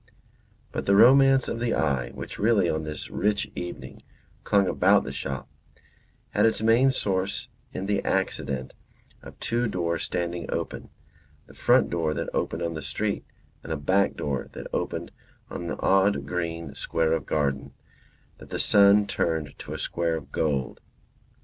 But the romance of the eye, which really on this rich evening, clung about the shop, had its main source in the accident of two doors standing open, the front door that opened on the street and a back door that opened on an odd green square of garden, that the sun turned to a square of gold.